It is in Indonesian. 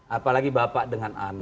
apalagi bapak dengan anak